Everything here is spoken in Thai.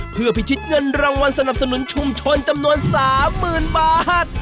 เพื่อพิชิตเงินรางวัลสนับสนุนชุมชนจำนวน๓๐๐๐บาท